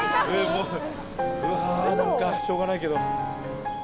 うわなんかしょうがないけど。